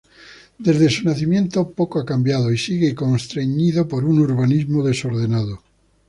Desde su nacimiento, poco ha cambiado, y sigue constreñido por un urbanismo desordenado.